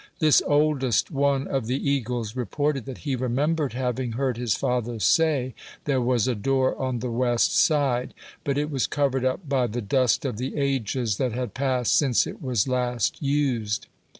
This oldest one of the eagles reported that he remembered having heard his father say there was a door on the west side, but it was covered up by the dust of the ages that had passed since it was last used.